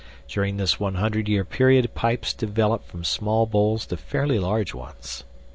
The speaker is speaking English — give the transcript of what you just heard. DURING THIS 100 YEAR PERIOD, PIPES DEVELOPED FROM SMALL BOWLS TO FAIRLY LARGE ONES.